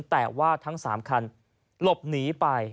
แต่ว่าทั้ง๓คันหลบหนีไป